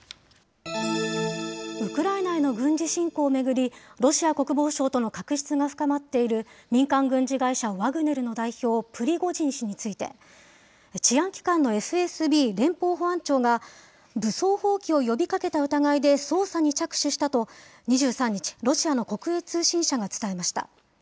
ウクライナへの軍事侵攻を巡り、ロシア国防省との確執が深まっている、民間軍事会社ワグネルの代表、プリゴジン氏について、治安機関のＦＳＢ・連邦保安庁が武装蜂起を呼びかけた疑いで捜査に着手したと、２３日、ロシアの国営通信社が伝えました。